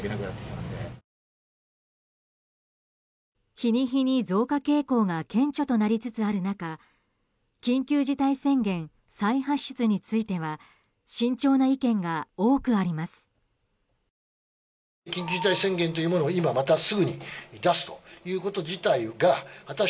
日に日に増加傾向が顕著となりつつある中緊急事態宣言再発出については慎重な意見が多くあります。